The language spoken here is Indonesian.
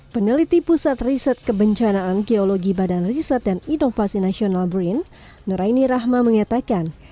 peneliti pusat riset kebencanaan geologi badan riset dan inovasi nasional brin nuraini rahma mengatakan